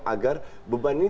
agar beban ini